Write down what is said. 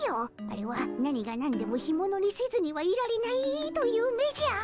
あれは何が何でもヒモノにせずにはいられないという目じゃ。